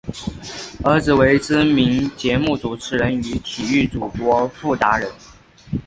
儿子为知名节目主持人与体育主播傅达仁。